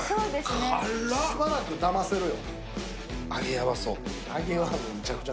しばらくだませるよ。